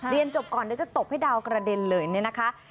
เรียนจบก่อนจะตบให้ดาวกระเด็นเลยนะคะ